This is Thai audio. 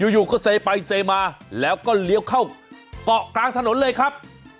อยู่ก็เซไปเซมาแล้วก็เลี้ยวเข้าเกาะกลางถนนเลยครับ